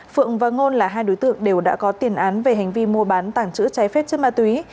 phượng và ngôn là hai đối tượng đều đã có tiền án về hành vi mua bán tảng chữ trái phép chất ma túy